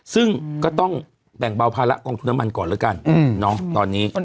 ซึ่งก็ต้องแบ่งเบาภาระกองทุนน้ำมันก่อนแล้วกันตอนนี้